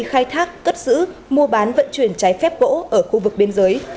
khai thác cất giữ mua bán vận chuyển trái phép gỗ ở khu vực biên giới